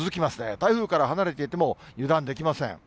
台風から離れていても、油断できません。